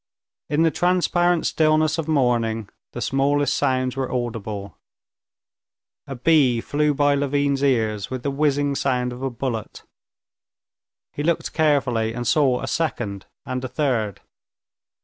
In the transparent stillness of morning the smallest sounds were audible. A bee flew by Levin's ear with the whizzing sound of a bullet. He looked carefully, and saw a second and a third.